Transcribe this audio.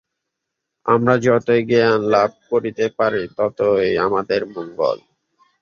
আমরা যতই জ্ঞানলাভ করিতে পারি, ততই আমাদের মঙ্গল।